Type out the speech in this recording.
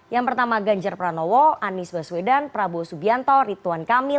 yang pertama ganjar pranowo anies baswedan prabowo subianto rituan kamil